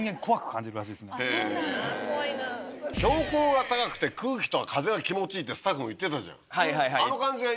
標高が高くて空気とか風が気持ちいいってスタッフも言ってたじゃん。